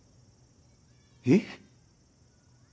えっ？